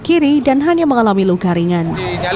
kiri dan hanya mengalami luka ringan